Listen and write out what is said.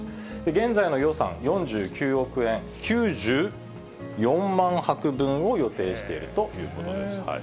現在の予算４９億円、９４万泊分を予定しているということです。